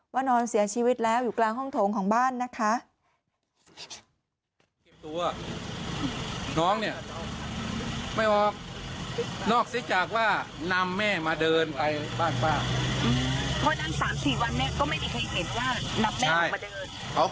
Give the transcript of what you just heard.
นอนเสียชีวิตแล้วอยู่กลางห้องโถงของบ้านนะคะ